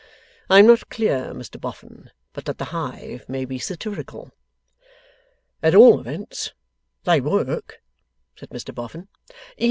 I am not clear, Mr Boffin, but that the hive may be satirical.' 'At all events, they work,' said Mr Boffin.